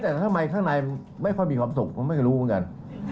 แต่ทำไมข้างในไม่ค่อยมีความสุขผมไม่รู้เหมือนกัน